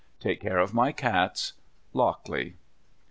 Take care of my cats. Lockley.